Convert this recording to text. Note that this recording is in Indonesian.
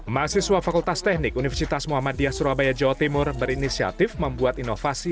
mahasiswa fakultas teknik universitas muhammadiyah surabaya jawa timur berinisiatif membuat inovasi